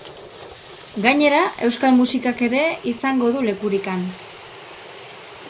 Gainera, euskal musikak ere izango du lekurik han.